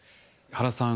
原さん